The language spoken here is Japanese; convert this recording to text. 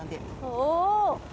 おお！